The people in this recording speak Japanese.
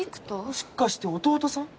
もしかして弟さん？